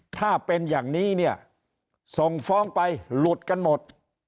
ถ้าเป็นอย่างนี้เนี่ยส่งฟ้องไปหลุดกันหมด